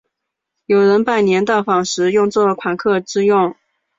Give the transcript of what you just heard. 有人拜年到访时用作款客之用。